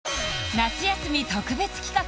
夏休み特別企画！